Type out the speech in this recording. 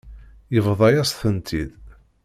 Yebḍa-yas-tent-id.